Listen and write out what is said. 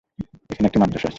এখানে একটি মাদ্রাসা আছে।